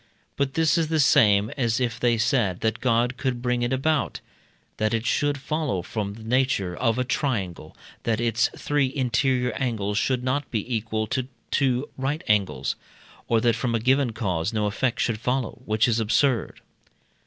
But this is the same as if they said, that God could bring it about, that it should follow from the nature of a triangle that its three interior angles should not be equal to two right angles; or that from a given cause no effect should follow, which is absurd.